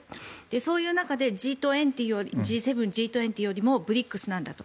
そういう中でＧ２０、Ｇ７よりもＢＲＩＣＳなんだと。